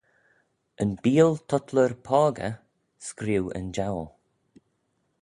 Yn beeal tutler poagey scrieu yn jowl.